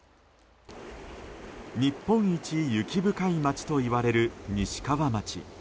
日本一雪深い町といわれる西川町。